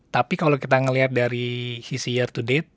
tapi kalau kita melihat dari sisi year to date